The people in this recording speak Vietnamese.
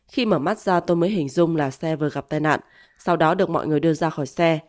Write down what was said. khi mở mắt ra tôi mới hình dung là xe vừa gặp tai nạn sau đó được mọi người đưa ra khỏi xe